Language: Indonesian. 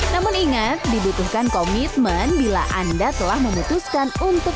namun ingat dibutuhkan komitmen bila anda telah memutuskan untuk